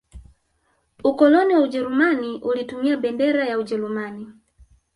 ukoloni wa ujerumani ulitumia bendera ya ujeruman